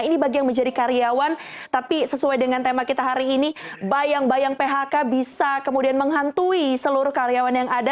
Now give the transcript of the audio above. ini bagi yang menjadi karyawan tapi sesuai dengan tema kita hari ini bayang bayang phk bisa kemudian menghantui seluruh karyawan yang ada